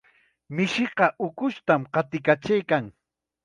Mishiqa ukushtam qatiykachaykan.